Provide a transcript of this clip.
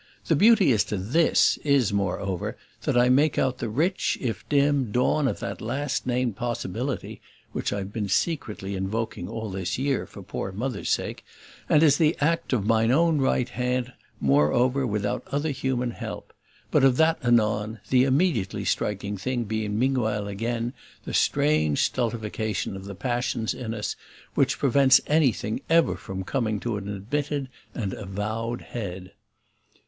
The beauty as to THIS is, moreover, that I make out the rich if dim, dawn of that last named possibility (which I've been secretly invoking, all this year, for poor Mother's sake); and as the act of mine own right hand, moreover, without other human help. But of that anon; the IMMEDIATELY striking thing being meanwhile again the strange stultification of the passions in us, which prevents anything ever from coming to an admitted and avowed head.